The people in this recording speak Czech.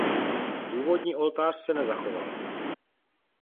Původní oltář se nezachoval.